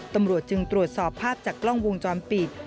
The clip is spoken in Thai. ตำรวจจึงตรวจสอบภาพจากกล้องวงจรปิด